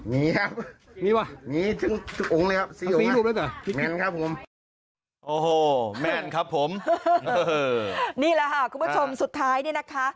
นี่แหละค่ะคุณผู้ชมสุดท้ายเนี่ยนะคะ